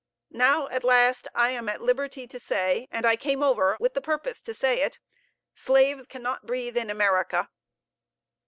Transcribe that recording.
Now, at last, I am at liberty to say, and I came over with the purpose to say it, "Slaves cannot breathe in America!"